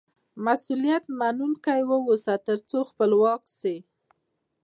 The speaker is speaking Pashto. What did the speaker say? مسئولیت منونکی واوسه، تر څو خپلواک سې.